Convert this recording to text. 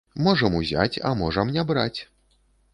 Можам узяць, а можам не браць.